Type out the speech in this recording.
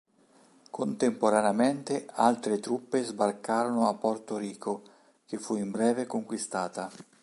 Contemporaneamente altre truppe sbarcarono a Porto Rico, che fu in breve conquistata.